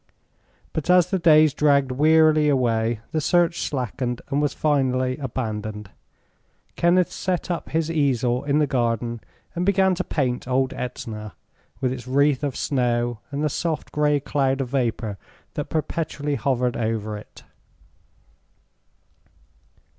But as the days dragged wearily away the search slackened and was finally abandoned. Kenneth set up his easel in the garden and began to paint old Etna, with its wreath of snow and the soft gray cloud of vapor that perpetually hovered over it.